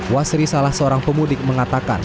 wasri salah seorang pemudik mengatakan